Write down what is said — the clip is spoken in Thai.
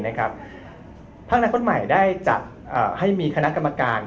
ภาคอนาคตใหม่ได้จัดให้มีคณะกรรมการ